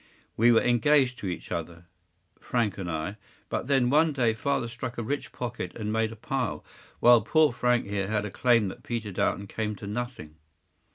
We were engaged to each other, Frank and I; but then one day father struck a rich pocket and made a pile, while poor Frank here had a claim that petered out and came to nothing.